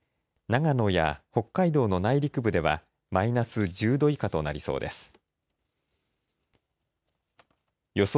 長野や北海道の内陸部ではマイナス１０度以下となりそうです。